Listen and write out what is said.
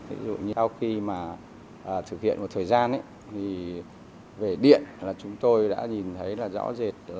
ví dụ như sau khi thực hiện một thời gian về điện chúng tôi đã nhìn thấy rõ rệt